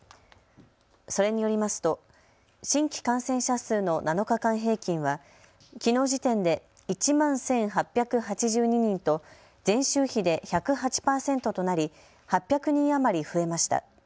それによりますと新規感染者数の７日間平均はきのう時点で１万１８８２人と前週比で１０８％となり８００人余り増えました。